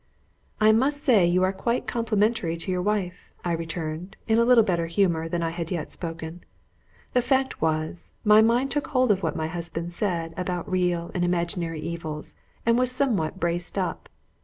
"I must say you are quite complimentary to your wife," I returned, in a little better humour than I had yet spoken. The fact was, my mind took hold of what my husband said about real and imaginary evils, and was somewhat braced up.